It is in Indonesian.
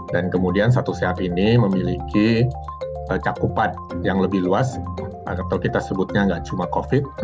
dan kemudian satu sehat ini memiliki cakupan yang lebih luas atau kita sebutnya gak cuma covid